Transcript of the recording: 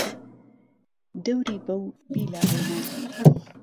دهوری بهو و بیلاوێنه